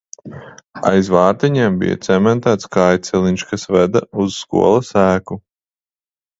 Aiz vārtiņiem bija cementēts kājceliņš, kas veda uz skolas ēku.